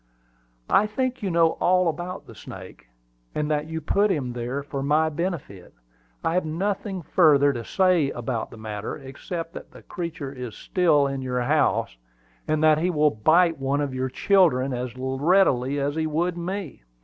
"I think you know all about the snake, and that you put him there for my benefit. I have nothing further to say about the matter, except that the creature is still in your house, and that he will bite one of your children as readily as he would me.